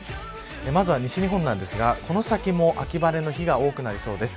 まずは西日本ですがこの先、秋晴れの日が多くなりそうです。